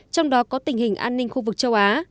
trong đó có tình hình an ninh khu vực châu á